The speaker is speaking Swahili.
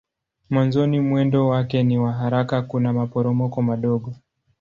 Mwanzoni mwendo wake ni wa haraka kuna maporomoko madogo.